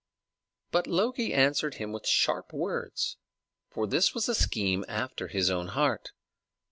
But Loki answered him with sharp words, for this was a scheme after his own heart.